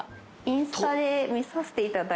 インスタで見させていただいたら。